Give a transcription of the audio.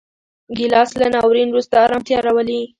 ګیلاس له ناورین وروسته ارامتیا راولي.